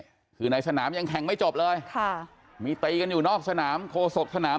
คือในสนามยังแข่งไม่จบเลยค่ะมีตีกันอยู่นอกสนามโฆษกสนาม